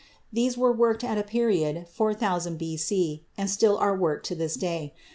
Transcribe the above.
These were worked at a period 4000 B.C. and still are worked to this day.